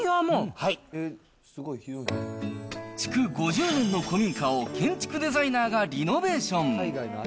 築５０年の古民家を建築デザイナーがリノベーション。